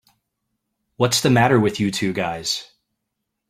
What's the matter with you two guys?